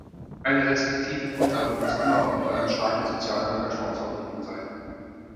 Eine restriktive Grundhaltung muss immer auch mit einem starken sozialen Engagement verbunden sein.